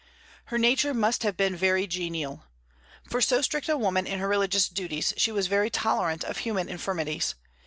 Her nature must have been very genial. For so strict a woman in her religious duties, she was very tolerant of human infirmities.